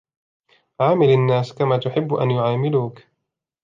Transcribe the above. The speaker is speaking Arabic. عامل الناس كما تحب أن يعاملوك.